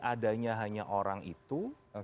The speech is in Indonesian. adanya hanya orang itu